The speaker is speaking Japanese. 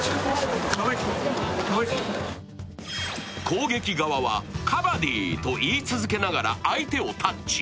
攻撃側はカバディと言い続けながら相手をタッチ。